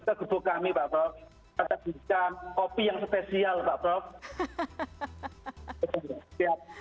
ada juga kopi yang spesial pak prof